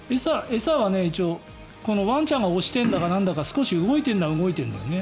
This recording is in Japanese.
餌は一応、ワンちゃんが押してるんだかなんだか少し動いてるのは動いてるんだよね。